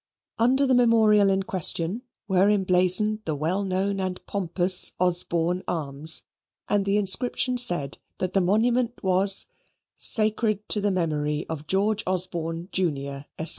Under the memorial in question were emblazoned the well known and pompous Osborne arms; and the inscription said, that the monument was "Sacred to the memory of George Osborne, Junior, Esq.